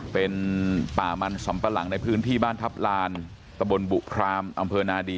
เป็นป่ามันสำปะหลังในพื้นที่บ้านทัพลานตะบนบุพรามอำเภอนาดี